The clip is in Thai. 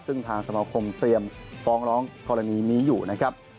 ซึ่งทางสมาคมเตรียมฟ้องร้องกรณีนี้อยู่นะครับ